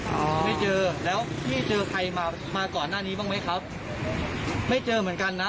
ไม่เจอแล้วพี่เจอใครมามาก่อนหน้านี้บ้างไหมครับไม่เจอเหมือนกันนะ